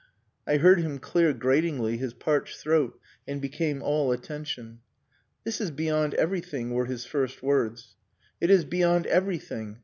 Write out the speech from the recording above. I heard him clear gratingly his parched throat, and became all attention. "This is beyond everything," were his first words. "It is beyond everything!